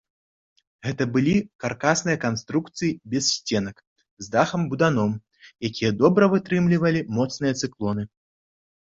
Гэта былі каркасныя канструкцыі без сценак з дахам-буданом, якія добра вытрымлівалі моцныя цыклоны.